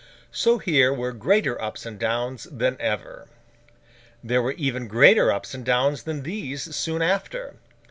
So, here were greater ups and downs than ever. There were even greater ups and downs than these, soon after.